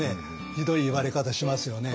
ひどい言われ方しますよね。